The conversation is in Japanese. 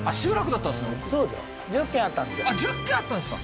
１０軒あったんですか？